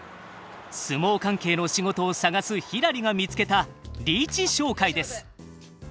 相撲関係の仕事を探すひらりが見つけたリーチ商会です。